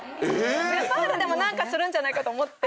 ネパールでも何かするんじゃないかと思って。